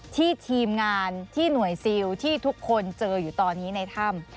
ทีมงานที่หน่วยซิลที่ทุกคนเจออยู่ตอนนี้ในถ้ำ